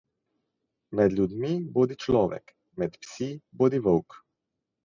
Med ljudmi bodi človek, med psi bodi volk.